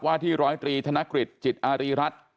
วาทิรอยตรีธนกฤทธิ์จิตอารีรัฐ